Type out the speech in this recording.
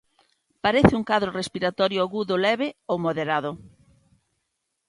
Parece un cadro respiratorio agudo leve ou moderado.